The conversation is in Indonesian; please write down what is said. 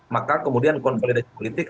maka kemudian konflik politik